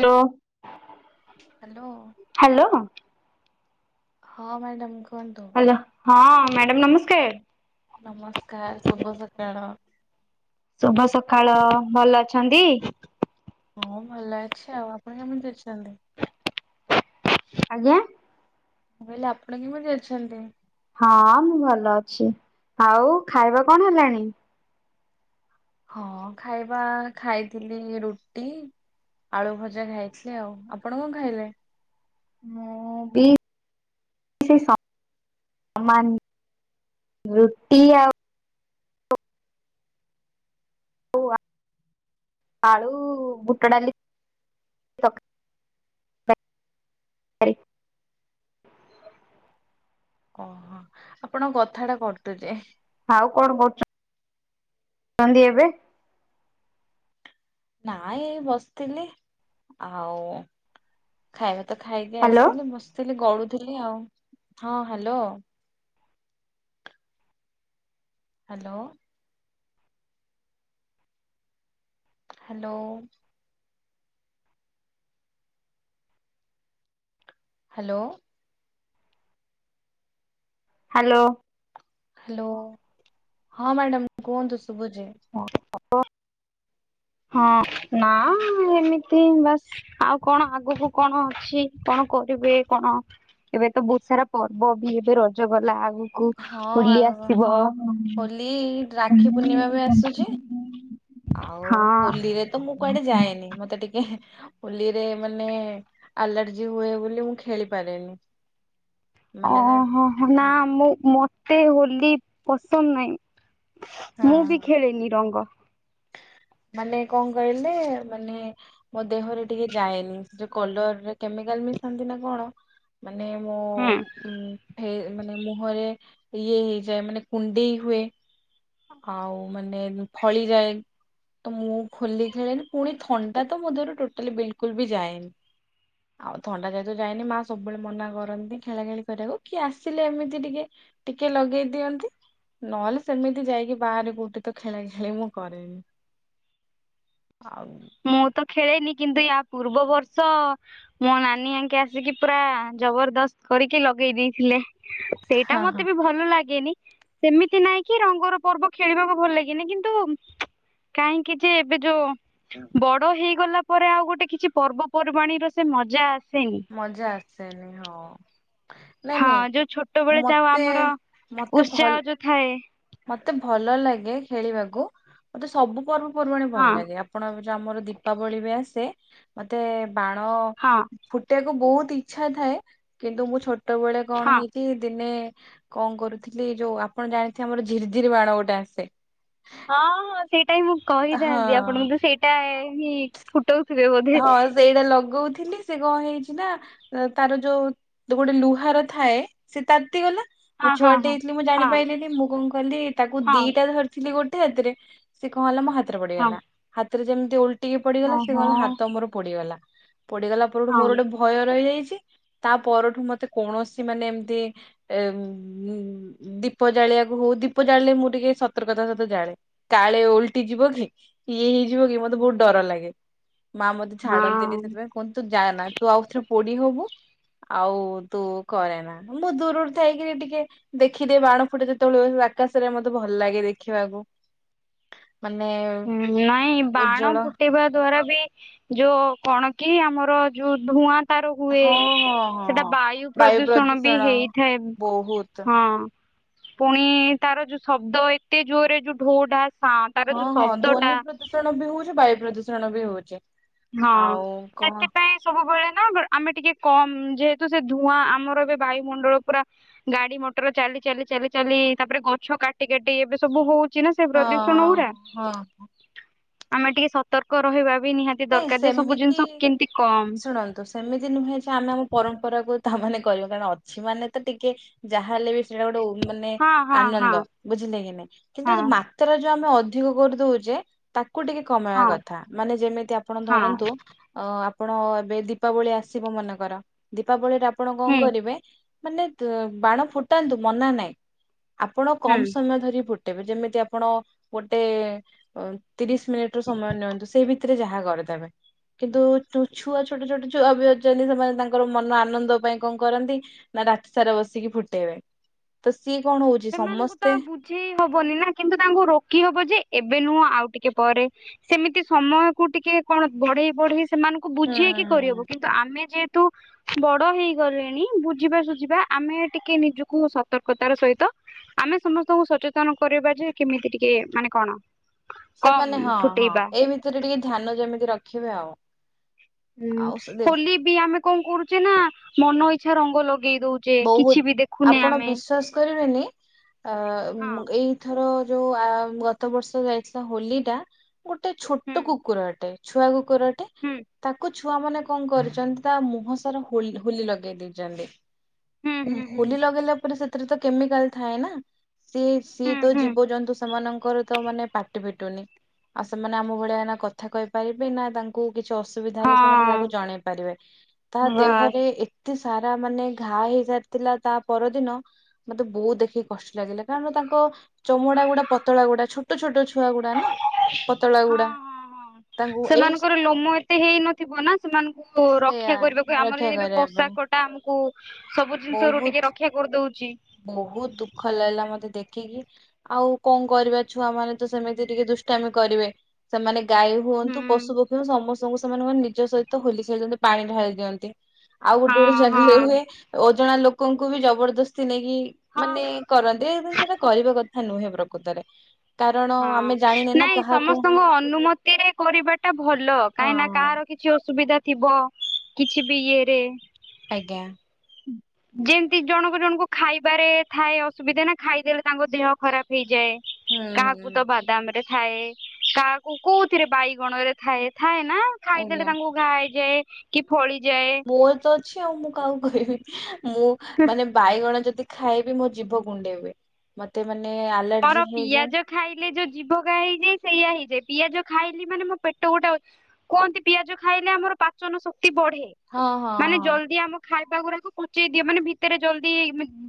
Hello. Hello. Hello. ହଁ madam କୁହନ୍ତୁ। Hello, ହଁ ମ୍ୟାଡ଼ମ୍ ନମସ୍କାର। ନମସ୍କାର ଶୁଭ ସକାଳ। ଶୁଭ ସକାଳ। ଭଲ ଅଛନ୍ତି? ହଁ ଭଲ ଅଛି ଆଉ। ଆପଣ କେମିତି ଅଛନ୍ତି? ଆଜ୍ଞା। ମୁଁ କହିଲି ଆପଣ କେମିତି ଅଛନ୍ତି? ହଁ ମୁଁ ଭଲ ଅଛି। ଆଉ ଖାଇବା କଣ ହେଲାଣି? ହଁ ଖାଇବା ଖାଇଥିଲି ରୁଟି ଆଳୁ ଭଜା ଖାଇଥିଲି ଆଉ। ଆପଣ କଣ ଖାଇଲେ? ମୁଁ ବି [unintelligible] ରୁଟି ଆଉ ଆଳୁ ବୁଟ ଡାଲି ତ ଓହୋ। ଆପଣ କଥା ଟା କଟୁଛି। ଆଉ କଣ କରୁଛନ୍ତି ଏବେ? ନାଇଁ ବସିଥିଲି ଆଉ ଖାଇବା ତ ଖାଇକି ହ୍ୟାଲୋ ଆସିଲି, ବସିଥିଲି ଗଡ଼ୁଥିଲି ଆଉ। ହଁ hello. Hello. Hello. Hello. Hello. Hello, ହଁ ମ୍ୟାଡମ୍ କୁହନ୍ତୁ ଶୁଭୁଚି। ହଁ ହପ। ହଁ ନା ଏମିତି ବାସ୍। ଆଉ କଣ ଆଗକୁ କଣ ଅଛି କଣ କରିବେ କଣ? ଏବେ ତ ବୋହୁତ୍ ସାରା ପର୍ବ ଭି ଏବେ ରଜ ଗଲା ଆଗକୁ ହଁ ହୋଲି ଆଉ ଆସିବ ହୋଲି ରାକ୍ଷୀ ପୂର୍ଣ୍ଣିମା ବି ଆସୁଛି। ଆଉ ହଁ ହୋଲିରେ ତ ମୁଁ କୁଆଡେ ଯାଏନି। ମତେ ଟିକେ ହୋଲିରେ ମାନେ ଆଲାର୍ଜି ହୁଏ ବୋଲି ମୁଁ ଖେଳି ପାରେନି। ମାନେ ଅହଁ ହଁ ନା ମୁଁ ମତେ ହୋଲି ପସନ୍ଦ ନାହିଁ। ମୁଁ ବି ଖେଳିନି ରଙ୍ଗ। ମାନେ କଣ କହିଲେ ମାନେ ମୋ ଦେହରେ ଟିକେ ଯାଏନି। ଯୋଉ କଲରରେ କେମିକାଲ ମିଶାନ୍ତି ନା କଣ ମାନେ ମୁଁ ହୁଁ ଉଁ ହେ ମାନେ ମୁହଁରେ ଇଏ ହେଇଯାଏ। ମାନେ କୁଣ୍ଡେଇ ହୁଏ। ଆଉ ମାନେ ଫଳି ଯାଏ। ତ ମୁଁ ହୋଲି ଖେଳେନି ପୁଣି ଥଣ୍ଡା ତ ମୋ ଦେହରୁ ଟୋଟାଲି ବିଲ୍ କୁଲ୍ ବି ଯାଏନି। [inaudible] ଆଉ ଥଣ୍ଡା ଯାହେତୁ ଯାଇନି ମା ସବୁବେଳେ ମନା କରନ୍ତି ଖେଳା ଖେଳି କରିବାକୁ କିଏ ଆସିଲେ ଏମିତି ଟିକେ ଟିକେ ଲଗେଇ ଦିଅନ୍ତି। ନହେଲେ ସେମିତି ଯାଇକି ବାହାରେ କୋଉଠି ତ ଖେଳା ଖେଳି ମୁଁ କରେନି। ଆଉ ମୁଁ ତ ଖେଳେନି କିନ୍ତୁ ୟା ପୂର୍ବ ବର୍ଷ ମୋ ନାନୀ ଆଙ୍କେ ଆସିକି ପୁରା ଜବରଦସ୍ତ କରିକି ଲଗେଇ ଦେଇଥିଲେ। ସେଇଟା ହଁ ହଁ। ମତେ ବି ଭ ଭଲ ଲାଗେନି ସେମିତି ନାଇଁ କି ରଙ୍ଗର ପର୍ବ ଖେଳିବାକୁ ଭଲ ଲାଗେନି କିନ୍ତୁ କାହିଁକି ଯେ ଏବେ ଯୋଉ ବଡ ହେଇଗଲା ପରେ ଆଉ ଗୋଟେ କିଛି ପର୍ବପର୍ବାଣୀର ସେ ମଜା ଆସେନି। ମଜା ଆସେନି ହଁ। ନାଇଁ ହଁ ନାଇଁ ଯୋଉ ଛୋଟବେଳେ ଯାଉ ମତେ ଆମର ମତେ ଭଲ ଉତ୍ସାହ ଯୋଉଥାଏ। ମତେ ଭଲ ଲାଗେ ଖେଳିବାକୁ ମତେ ସବୁ ପର୍ବପର୍ବାଣି ଭଲ ହଁ ଲାଗେ। ଆପଣଙ୍କ ଯୋଉ ଆମର ଦୀପାବଳି ବି ଆସେ ମୋତେ ବାଣ ହଁ। ଫୁଟେଇବାକୁ ବୋହୁତ ଇଚ୍ଛା ଥାଏ। କିନ୍ତୁ ମୁଁ ଛୋଟୋ ବେଳେ କଣ ହଁ। ହେଇଛି ଦିନେ କଣ କରୁଥିଲି ଯୋଉ ଆପଣ ଜାଣିଥିବେ ଆମର ଝିର୍ ଝିରି ବାଣ ଗୋଟେ ଆସେ ହଁ ହଁ ସେଇଟା ହିଁ ମୁଁ କହିଥାନ୍ତି ହଁ ଆପଣଙ୍କୁ ସେଇଟା ହିଁ ଫୁଟୋଉଥିବେ ବୋଧେ। ହଁ ସେଇଟା ଲଗୋଉଥିଲି ସେ କଣ ହେଇଛି ନା ତାର ଯୋଉ ଗୋଟେ ଲୁହାର ଥାଏ ସେ ତାତି ଗଲା। ମୁଁ ହଁ ହଁ ଛୁଆଟେ ଦେଇଥିଲି ମୁଁ ହଁ ଜାଣିପାରଲିିନି ମୁଁ କଣ କଲିି ତାକୁ ହଁ ଦିଟା ଧରିଥିଲି ଗୋଟେ ହାତରେ ସି କଣ ହେଲା ମୋ ହାତରେ ହଁ ପଡିଗଲା ହାତରେ ଯେମିତି ଓଲଟିକି ପଡିଗଲା ହଁ ହଁ ସେ କଣ ହଁ ହେଲା ହା ପୋଡିଗଲା ପୋଡିଗଲା ପରଠୁ ହଁ। ମୋର ଗୋଟେ ଭୋ ଭୟ ରହିଯାଇଛି ତା ପରଠୁ ମତେ କୌଣସି ମାନେ ଏମିତି ଏଁ ଉଁ ଦୀପ ଜାଳିବାକୁ ହୋଉ ଦୀପ ଜାଳିଲେ ମୁଁ ଟିକେ ସତର୍କତା ସହିତ ଜାଳେ କାଳେ ଓଲଟି ଯିବ କି? ଇଏ ହେଇଯିବ କି ମତେ ବୋହୁତ ଡର ଲାଗେ। ମା ମତେ ଛାଡନ୍ତିନି ହଁ ସେଥିପାଇଁ କୁହନ୍ତୁ ଯାନା ତୁ ଆଉ ରେ ପୋଡି ହୋବୁ। ଆଉ ତୁ କରେନା ମୁଁ ଦୂରରୁ ଥାଇକିରି ଟିକେ ଦେଖିଦିଏ ବାଣ ଫୁଟେ ଯେତେବେଳେ ହୁଏ ଆକାଶରେ ମୋତେ ଭଲ ଲାଗେ ଦେଖିବାକୁ। ମାନେ ହୁଁ ନାଇଁ ବାଣ ଉଜ୍ଜଳ ଫୁଟେଇବା ଦ୍ଵାରା ବି ଯୋଉ କଣ କି ଆମର ଯୋଉ ଧୂଆଁ ତାର ହୁଏ ହଁ ହଁ ହଁ ସେଟା ହଁ ବାୟୁ ପ୍ରଦୂଷଣ ବି ହେଇଥାଏ ବହୁତ ହଁ। ପୁଣି ତାର ଯୋଉ ଶବ୍ଦ ଏତେ ଜୋରରେ ଯୋଉ ଢୋ ଢା ସା ହଁ ହଁ ଧ୍ୱନି ପ୍ରଦୂଷଣ ବି ହୋଉଚି ବାୟୁ ପ୍ରଦୂଷଣ ବି ହୋଉଚି। ହଁ ସେଥିପାଇଁ ସବୁବେଳେ ନା ଆମେ ଟିକେ କମ ଯେହେତୁ ସେ ଧୂଆଁ ଆମର ଏବେ ବାୟୁମଣ୍ଡଳ ପୁରା ଗାଡି ମଟର ଚାଲି ଚାଲି ଚାଲି ଚାଲି ତାପରେ ଗଛ କାଟି କାଟି ଏବେ ସବୁ ହଉ ଚିନା ସେ ପ୍ରଦୂଷଣ ଗୁଡା ହଁ ହଁ ଆମେ ଟିକେ ସତର୍କ ରହିବା ବି ନିହାତି ନାଇଁ ଦରକାର ଯେ ସବୁ ଜିନିଷ କେମିତି କମ୍ ତ ସେମିତି ନୁହେଁ ଯେ ଆମେ ଆମ ପରମ୍ପରାକୁ ତାମାନେ କର କାରଣ ଅଛି ମାନେ ତ ଟିକେ ଯାହାହଲେ ବି ସେଇଟା ଗୋଟେ ମାନେ ହଁ ହଁ ହଁ ଆନନ୍ଦ ବୁଝିଲେ କି ନାଇଁ କିନ୍ତୁ ହଁ ର ଯୋଉ ଆମେ ଅଧିକ କରିଦଉଛେ ତାକୁ ଟିକେ କମେଇବା ହଁ କଥା ମାନେ ଯେମିତି ଆପଣ ହଁ ଧରନ୍ତୁ ଅ ଆପଣ ଏବେ ଦୀପାବଳି ଆସିବ ମନେକର ଦୀପାବଳିରେ ଆପଣ କଣ ହୁଁ କରିବେ? ମାନେ ବାଣ ଫୁଟାନ୍ତୁ ମନା ନାହିଁ ଆପଣ କମ ହୁଁ। ସମୟ ଧରି ଫୁ ଯେମିତି ଆପଣ ଗୋଟେ ତିରିଶ ମିନିଟର ସମୟ ନିଅନ୍ତୁ ସେଇ ଭିତରେ ଯାହା କର ଦେ କିନ୍ତୁ ଛୁଆ ଛୋଟ ଛୋଟ ଛୁଆ ବି ଅଛନ୍ତି ସେମାନେ ତାଙ୍କର ମନ ଆନନ୍ଦ ପାଇଁ କଣ କରନ୍ତି? ନା ରାତି ସାରା ବସିକି ଫୁଟେଇବେ। ତ ସିଏ କଣ ହଉଛି? ସେମାନଙ୍କୁ ତ ସମସ୍ତେ ବୁଝେଇ ହବନି ନା କିନ୍ତୁ ତାଙ୍କୁ ରୋକି ହବ ଯେ ଏବେ ନୁହଁ ଆଉ ଟିକେ ପରେ ସେମିତି ସମୟ କୁ ଟିକେ କଣ ବଢେଇ ବଢେଇ ସେମାନଙ୍କୁ ହୁଁ ବୁଝିେଇକି କରିହବ। କିନ୍ତୁ ଆମେ ଯେହେତୁ ବଡ ହେଇ ଗଲିଣି ବୁଝିବା ସୁୁଝିବା ଆମେ ଟିକେ ନିଜକୁ ସତର୍କତାର ସହିତ ଆମେ ସମସ୍ତଙ୍କୁ ସଚେତନ କରିବା ଯେ କେମିତି ଟିକେ ମାନେ କଣ? କମ ସେମାନେ ହଁ ହଁ ଫୁଟେଇବା। ଏଇ ଭିତରେ ଟିକେ ଧ୍ୟାନ ଯେମିତି ରଖିବେ ଆଉ। ହୁଁ ଆଉ ସେ ଦେ- ହୋଲି ବି ଆମେ କଣ କରୁଛେ ନା ମନ ଇଛା ରଙ୍ଗ ଲଗେଇ ଦଉ ବହୁତ ଆପଣ ବିଶ୍ଵାସ କରିବେନି ଆ ହଁ ଏଇ ଥର ଯୋଉ ଆ ଗତ ବର୍ଷ ଯାଇଥିଲା ହୋଲି ଟା ଗୋଟେ ହୁଁ ଛୋଟ କୁକୁର ଅଟେ। ଛୁଆ କୁକୁରଟେ। ହୁଁ। ତାକୁ ଛୁଆ ମାନେ କଣ କରୁଚନ୍ତି ତା ମୁହଁ ସାରା ହୋଲି ହୋଲି ଲଗେଇ ଦେଇଚନ୍ତି। ହୁଁ ହୋଲି ଲଗେଇଲା ପରେ ସେଥିରେ ତ କେମିକାଲ ଥାଏ ନା। ସିଏ ହୁଁ ସିଏ ହୁଁ ତ ହୁଁ ଜୀବଜନ୍ତୁ ସେମାନଙ୍କର। ତ ମାନେ ପାଟି ଫିଟୁନି ଆଉ ସେମାନେ ଆମ ଭଳିଆ ନା କଥା କହିପାରିବେ ନା ତାଙ୍କୁ କିଛି ଅସ ସୁବିଧା ହେଲେ ସେମାନେ ହଁ କାହାକୁ ଜଣେଇ ପାରିବେ ତା ବାସ୍ ଦେହରେ ଏତେ ସାରା ମାନେ ଘା ହେଇ ସାରିଥିଲା ତା ପରଦିନ ମତେ ବହୁତ ଦେଖିକି କଷ୍ଟ ଲାଗିଲା କାରଣ ତାଙ୍କ ଚମଡା ଗୁଡା ପତଳା ଗୁଡା ଛୋଟ ଛୋଟ ଛୋଟ ଛୁଆ ଗୁଡା ନା ପତଳା ହଁ ଗୁଡା। ହଁ ହଁ ତାଙ୍କୁ ଏଇ ସେମାନଙ୍କର ଲୋମ ଏତେ ହେଇନଥିବ ନା ସେମାନଙ୍କୁ ରକ୍ଷା ସେୟା କରିବାକୁ ଆମର ରକ୍ଷା ଯଦି ଏ କରିବା ପାଇଁ ପୋଷାକ ଟା ଆମକୁ ସବୁ ଜିନିଷ ରୁ ଟିକେ ରକ୍ଷା କରିଦଉଛି। ବହୁତ୍ ଦୁଃଖ ଲାଗିଲା ମତେ ଦେଖିକି। ଆଉ କଣ କରିବା ଛୁଆ ମାନେ ତ ସେମିତି ଟିକେ ଦୁଷ୍ଟାମି କରିବେ। ସେମାନେ ଗାଈ ହୁଅନ୍ତୁ ହୁଁ। ପଶୁ ପକ୍ଷୀ ତୁ ସମସ୍ତଙ୍କୁ ସେମାନେ ମାନେ ନିଜ ସହିତ ହୋଲି ଖେଳନ୍ତି ପାଣି ଢାଳି ଦିଅନ୍ତି। ଆଉ ଗୋଟେ ଗୋଟେ ହଁ ଜାଗାରେ ହୁଏ ହଁ ଓଜଣା ଲୋକଙ୍କୁ ବି ଜବରଦସ୍ତି ନେଇକି ହଁ ମାନେ କରନ୍ତି ସେଟା କରିବା କଥା ନୁହେଁ ପ୍ରକୁତରେ। ହଁ ନାଇଁ ସମସ୍ତଙ୍କ ଅନୁମତି ରେ କରିବା ଟା ଭଲ ହଁ କାହିଁନା ହଁ କାହାର କି ଛି ଅସୁବିଧା ଥିବ କିଛି ବି ଇଏ ରେ। ଆଜ୍ଞା। ହୁଁ। ଯେନ୍ତି ଜଣକୁ ଜଣକୁ ଖାଇବାରେ ଥାଏ ଅସୁବିଧା ନା ଖାଇଦେଲେ ତାଙ୍କ ଦେହ ଖରାପ ହେଇଯାଏ। ହୁଁ। ହୁଁ। ଗୁଟ ବାଦାମ ରେ ଥାଏ କାହାକୁ କୋଉଥିରେ ବାଇଗଣ ରେ ଥାଏ ଥାଏ ନା। ଖାଇଦଲେ ଆଜ୍ଞା। ତାଙ୍କୁ ଘା ହେଇଯାଏ କି ଫଳିଯାଏ। ପୁ ତ ଅଛି ଆଉ ମୁଁ କାହାକୁ କହିବି ମୁଁ ମାନେ ବାଇଗଣ ଯଦି ଖାଇ ବିି ମୋ ଜୀଭ କୁଣ୍ଡେଇ ହୁଏ ମତେ ମାନେ ମୋର ଆଲର୍ଜି ହେଇଯାଏ। ପିଆଜ ଖାଇଲେ ଯୋଉ ଜୀଭଘା ହେଇଯାଏ ସେଇଆ ହେଇଯାଏ ପିଆଜ ଖାଇଲି ମାନେ ମୋ ପେଟ ଗୋଟେ ଅଛି। କୁହନ୍ତି ପିଆଜ ଖାଇଲେ ଆମର ପାଚନ ଶକ୍ତି ବଢେ। ହଁ ହଁ ମାନେ ହଁ ଜଲଦି ଆମ ଖାଇବା ଗୁରାକୁ ପଚେଇ ଦିଅ ମାନେ ଭିତରେ ଜଲଦି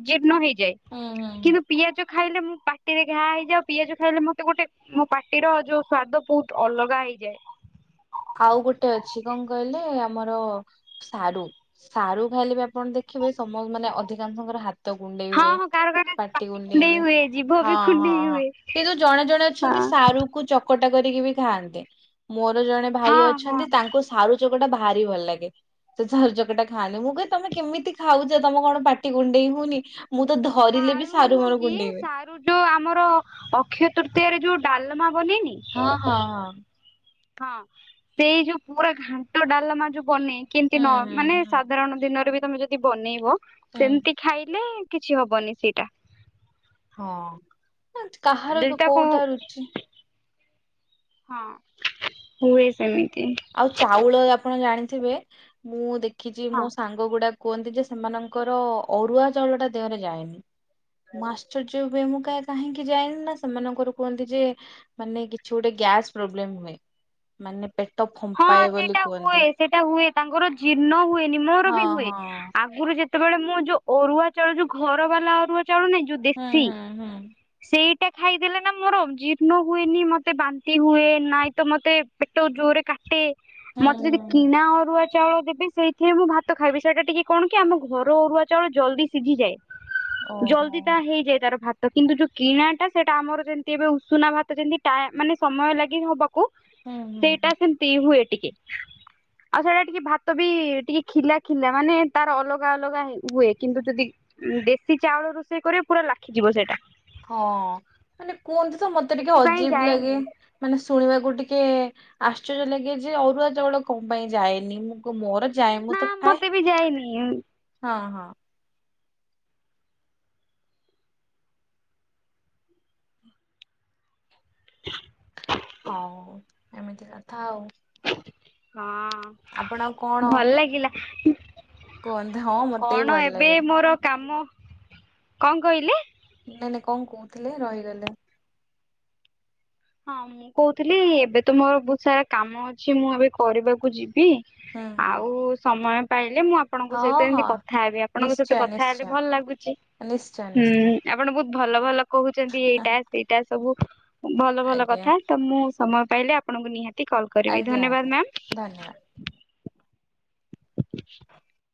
ଜିର୍ଣ୍ଣ ହେଇଯାଏ। ହୁଁ ହୁଁ ହୁଁ। କିନ୍ତୁ ପିଆଜ ଖାଇଲେ ମୁଁ ପା ଟିରେ ଘା ହେଇଯାଏ ଆଉ ପିଆଜ ଖାଇଲେ ମତେ ଗୋଟେ ମୋ ପାଟିର ଯୋଉ ସ୍ଵାଦ ବହୁତ ଅଲଗା ହେଇଯାଏ। ଆଉ ଗୋଟେ ଅଛି କଣ କହିଲେ ଆମର ସାରୁ ସାରୁ ଖାଇଲେ ବି ଆପଣ ଦେଖିବେ ସମ ମାନେ ଅଧିକାଂଶଙ୍କର ହା ତ କୁଣ୍ଡେଇ ହଁ ହୁଏ ହଁ କାର କାର ପାଟି କୁଣ୍ଡେଇ ହୁଏ ଜିଭ ବି କୁଣ୍ଡେଇ ହୁଏ ହଁ-ହଁ-ହଁ-କିନ୍ତୁ ଜଣେ ଜଣେ ହଁ। ଛନ୍ତି ସାରୁକୁ ଚକଟା କରିକି ବି ଖାଆନ୍ତି ମୋର ଜଣେ ଭାଇ ହଁ ହଁ ଅଛନ୍ତି ତାଙ୍କୁ ସାରୁ ଚକଟା ଭାରି ଭଲ ଲାଗେ। ସେ ଝାରୁ ଚକଟା ଖାଆନ୍ତି ମୁଁ କହେ ତମେ କେମିତି ଖାଉଚ ତମ କଣ ପାଟି କୁଣ୍ଡେଇ ହଉନି? ମୁଁ ତ ଧରିଲେ ବି ସାରୁ ନୁହଁ ମୋର କି କୁଣ୍ଡେଇ ହୁଏ। ସାରୁ ଯୋଉ ଆମର ଅକ୍ଷୟ ତୃତୀୟାରେ ଯୋଉ ଡାଲମା ବନେଇନି? ହଁ-ହଁ-ହଁ। ହଁ ସେଇ ଯୋଉ ପୁରା ଘାଣ୍ଟ ଡାଲମା ଯୋଉ ବନେଇ କେନ୍ତି ହଁ ନ ମାନେ ହୁଁ ହୁଁ ସାଧାରଣ ଦିନରେ ବି ତମେ ଯଦି ବନେଇବ ହୁଁ ହୁଁ। ସେମିତି ଖାଇଲେ କିଛି ହବନି ସେଇଟା। ହଁ କାହାର ଯଦି ତାକୁ କୋଉଟା ରୁଚି ହଁ ହୁଏ ସେମିତି। ଆଉ ଚାଉଳ ଆପଣ ଜାଣିଥିବେ ମୁଁ ଦେଖିଚି ମୋ ହଁ। ସାଙ୍ଗ ଗୁଡା କୁହନ୍ତି ଯେ ସେମାନଙ୍କର ଅରୁଆ ଚାଉଳ ଟା ଦେହରେ ଯାଏନି। ମୁଁ ଆଶ୍ଚର୍ଯ୍ୟ ହୁଏ ମୁଁ କାରେ କାହିଁକି ଯାଏନି ନା ସେମାନଙ୍କର କୁହନ୍ତି ଯେ ମାନେ କିଛି ଗୋଟେ ଗ୍ୟାସ ପ୍ରୋବ୍ଲେମ୍ ହୁଏ। ମାନେ ପେ ହଁ ସେଇଟା ହୁଏ ସେଇଟା ହୁଏ ତାଙ୍କର ଜୀର୍ଣ୍ଣ ହୁଏନି ମୋର ହଁ ବି ହୁଏ ହଁ ଆ ଆଗରୁ ଯେତେବେଳେ ମୁଁ ଯୋଉ ଅରୁଆ ଚାଉଳ ଯୋଉ ଘର ବାଲା ଅରୁଆ ଚାଉଳ ନାଇଁ ଯୋଉ ହୁଁ ଦେଶୀ ହୁଁ ହୁଁ ସେଇଟା ଖାଇଦେଲେ ନା ମୋର ଜୀର୍ଣ ହୁଏନି ମତେ ବାନ୍ତି ହୁଏ ନାଇଁ ତ ମତେ ପେଟ ଜୋରେ କା ଟେ ହୁଁ ମତେ ଯଦି ହୁଁ କିଣା ଅରୁଆ ଚାଉଳ ଦେବେ ସେଇଥିରେ ମୁଁ ଭାତ ଖାଇବି ସେଇଟା ଟିକେ କଣ କି ଆମ ଘର ଅରୁଆ ଚାଉଳ ଜଲ୍ଦୀ ସିଝିଯାଏ। ଓହୋ ଜଲ୍ଦୀ ତା ହେଇଯାଏ ତାର ଭାତ୍। କିନ୍ତୁ ଯୋଉ କିଣାଟା ସେଟା ଆମର ଯେମିତି ଏବେ ଉଷୁନା ଭାତ ଯେମିତି ଟା ମାନେ ସମୟ ଲାଗିକି ହବ କୁ ହୁଁ ହୁଁ ସେଇଟା ସେମିତି ହୁଏ ଟିକେ। ଆଉ ସେଇଟା ଟିକେ ଭାତ ବି ଟିକେ ଖିଲା ଖିଲା ମାନେ ତାର ଅଲଗା ଅଲଗା ହେ ହୁଏ କିନ୍ତୁ ଯଦି ଦେଶୀ ଚାଉଳ ରୋଷେଇ କରିବ ପୁରା ଲାଖିଯିବ ସେଇଟା। ହଁ ମାନେ କୁହନ୍ତି ତ ମତେ ଟିକେ ସେଥିପାଇଁ ଅଜୀବ୍ ଲାଗେ। ଯାଏନି ମାନେ ଶୁଣିବାକୁ ଟିକେ ଆଶ୍ଚର୍ଯ୍ୟ ଲାଗେ ଯେ ଅରୁଆ ଚାଉଳ କଣ ପାଇଁ ଯାଏନି ମୁଁ କୁ ମୋର ଯାଏ ମୁଁ ନା ତ ଖାଏ ମତେ ବି ଯାଇନି ହଁ ହଁ। ହଉ ଏମିତି କଥା ଆଉ। ଆପଣ ଆଉ କଣ ହଁ ଭଲ ଲାଗିଲା। କୁହନ୍ତୁ ହଁ ମତେ ବି କଣ ଭଲ ଏବେ ଲାଗେ। ମୋର କାମ। କଣ କହିଲେ? ନାଇଁ ନାଇଁ କଣ କହୁଥିଲେ ରହିଗଲେ ହଁ ମୁଁ କହୁଥିଲି ଏବେ ତ ମୋର ବହୁତ ସାରା କାମ ଅଛି ମୁଁ ଏବେ କରିବାକୁ ଯିବି। ହୁଁ। ଆଉ ସମୟ ପାଇଲେ ମୁଁ ଆପ୍ ଆପଣଙ୍କ ହଁ ସହିତ ଏମିତି ହଁ କଥା ହେବି ଆପଣଙ୍କ ସହିତ ନିଶ୍ଚୟ କଥା ହେଲେ ନିଶ୍ଚୟ ଭଲ ଲାଗୁଚି। ନିଶ୍ଚୟ ହୁଁ ନିଶ୍ଚୟ ଆପଣ ବହୁତ ଭଲ ଭଲ କହୁଚନ୍ତି ଏଇଟା ସେଇଟା ସବୁ ଭଲ ଭଲ ଆଜ୍ଞା କଥା। ତ ମୁଁ ସମୟ ପାଇଲେ ଆପଣଙ୍କୁ ନିହାତି କଲ୍ କରିବି ଆଜ୍ଞା ଆଜ୍ଞା ଧନ୍ୟବାଦ ମାମ୍। ଧନ୍ୟବାଦ।